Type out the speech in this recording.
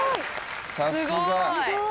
さすが。